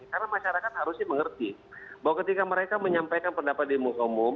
karena masyarakat harusnya mengerti bahwa ketika mereka menyampaikan pendapat di muka umum